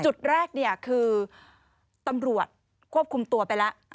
จุดแรกเนี่ยคือตำรวจควบคุมตัวไปแล้ว